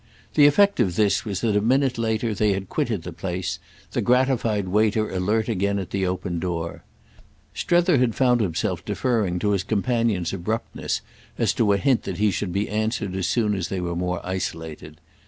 The effect of this was that a minute later they had quitted the place, the gratified waiter alert again at the open door. Strether had found himself deferring to his companion's abruptness as to a hint that he should be answered as soon as they were more isolated.